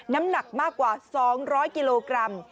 น้ำหนักมากกว่า๒๐๐กิโลกรัม